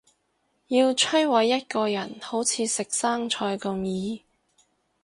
要摧毁一個人好似食生菜咁易